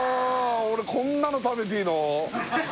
俺こんなの食べていいの？